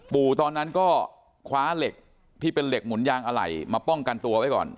ตอนนั้นก็คว้าเหล็กที่เป็นเหล็กหมุนยางอะไหล่มาป้องกันตัวไว้ก่อน